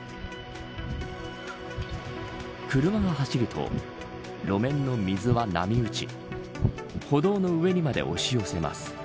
車が走ると路面の水は波打ち歩道の上にまで押し寄せます。